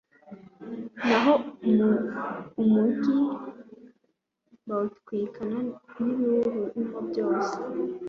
naho umugi bawutwikana n'ibiwurimo byose